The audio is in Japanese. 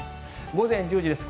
午前１０時です。